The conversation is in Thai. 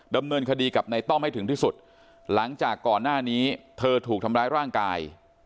ดำเนินคดีกับในต้อมให้ถึงที่สุดหลังจากก่อนหน้านี้เธอถูกทำร้ายร่างกาย